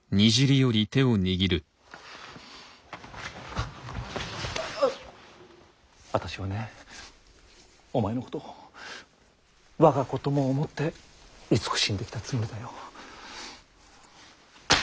あたしはねお前のこと我が子とも思って慈しんできたつもりだよ。